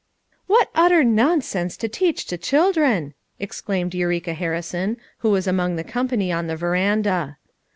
" "What utter nonsense to teach to children !" exclaimed Eureka Harrison, who was among the company on the veranda.